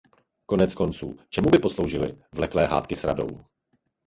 Koneckonců čemu by posloužily vleklé hádky s Radou?